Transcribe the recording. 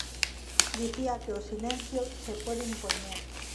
Dicía que o silencio se pode impoñer.